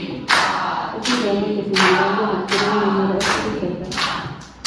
Es un drama que, sin embargo, recurre a un humor ácido y sarcástico.